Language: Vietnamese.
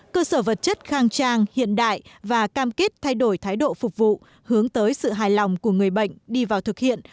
cơ sở vật chất khang trang hiện đại và cam kết thay đổi thái độ phục vụ hướng tới sự hài lòng của người bệnh đi vào thực hiện